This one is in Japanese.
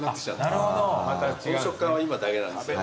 この食感は今だけなんですよ。